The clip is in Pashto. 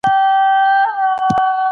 څه ډول وسلې د دوی لپاره مجاز دي؟